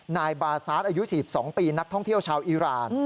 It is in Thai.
นายบาซาสอายุ๔๒ปีนักท่องเที่ยวชาวอีราน